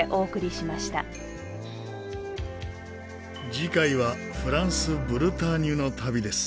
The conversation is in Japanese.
次回はフランスブルターニュの旅です。